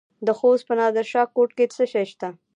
د خوست په نادر شاه کوټ کې څه شی شته؟